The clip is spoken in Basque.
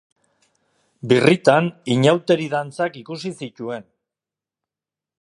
Birritan inauteri-dantzak ikusi zituen.